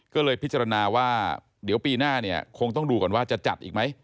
ก็เลยพิจารณาว่าเดี๋ยวปีหน้าเนี่ยคงต้องดูก่อนว่าจะจัดอีกไหม